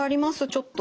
ちょっと。